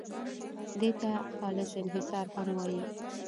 دې ته خالص انحصار هم وایي.